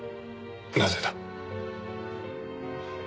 なぜだ？